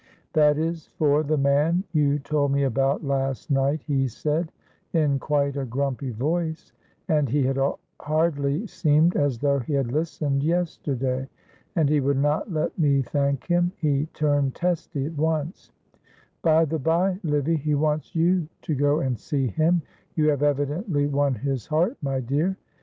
"'That is for the man you told me about last night,' he said, in quite a grumpy voice; and he had hardly seemed as though he had listened yesterday; and he would not let me thank him, he turned testy at once; by the bye, Livy, he wants you to go and see him; you have evidently won his heart, my dear.